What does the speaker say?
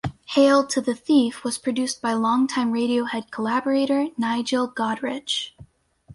"Hail to the Thief" was produced by longtime Radiohead collaborator Nigel Godrich.